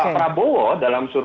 pak prabowo dalam suruh